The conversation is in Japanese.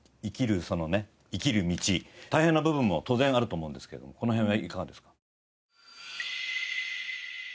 そのね生きる道大変な部分も当然あると思うんですけれどもこの辺はいかがですか？